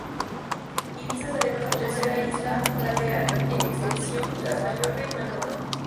Ibiza es además, la tercera isla balear en extensión, tras Mallorca y Menorca.